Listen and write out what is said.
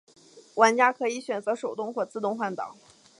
玩家可以选择手动或者自动换挡。